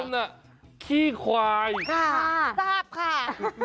ไอ้กลมขี้ควายซาบค่ะ